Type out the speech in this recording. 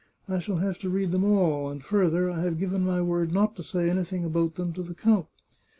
I shall have to read them all, and fur ther, I have given my word not to say anything about them to the count.